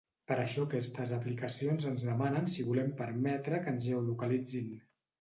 Per això aquestes aplicacions ens demanen si volem permetre que ens geolocalitzin.